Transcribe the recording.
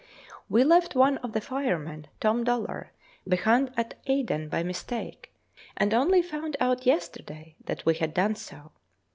We left one of the firemen, Tom Dollar, behind at Aden by mistake, and only found out yesterday that we had done so.